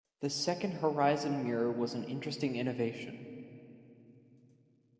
The second horizon mirror was an interesting innovation.